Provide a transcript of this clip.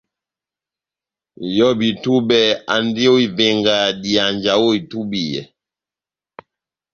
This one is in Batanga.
Nʼyobi-túbɛ andi ó ivenga dihanja ó itúbiyɛ.